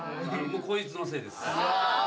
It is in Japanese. こいつのせいです。